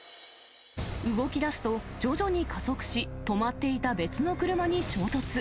動きだすと、徐々に加速し、止まっていた別の車に衝突。